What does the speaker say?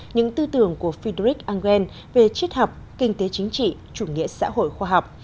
những tư tưởng của fidrick engel về triết học kinh tế chính trị chủ nghĩa xã hội khoa học